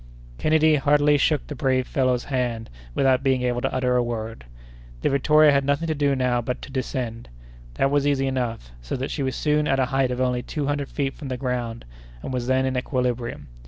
Kennedy heartily shook the brave fellow's hand, without being able to utter a word. The Victoria had nothing to do now but to descend. That was easy enough, so that she was soon at a height of only two hundred feet from the ground, and was then in equilibrium.